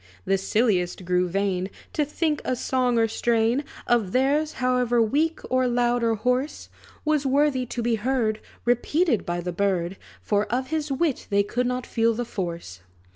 The silliest grew vain, To think a song or strain Of theirs, however weak, or loud, or hoarse, Was worthy to be heard Repeated by the bird; For of his wit they could not feel the force.